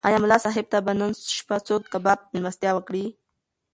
ایا ملا صاحب ته به نن شپه څوک کباب مېلمستیا وکړي؟